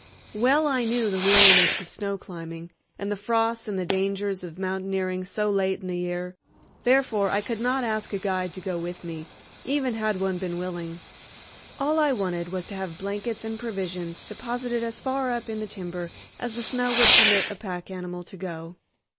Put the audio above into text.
Well I knew the weariness of snow climbing, and the frosts, and the dangers of mountaineering so late in the year; therefore I could not ask a guide to go with me, even had one been willing. All I wanted was to have blankets and provisions deposited as far up in the timber as the snow would permit a pack animal to go.